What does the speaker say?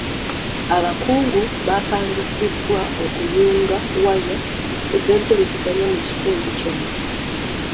Abakugu bapangisibwa okuyunga waya z'empuliziganya mu kitundu kyonna.